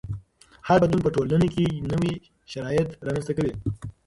هر بدلون په ټولنه کې نوي شرایط رامنځته کوي.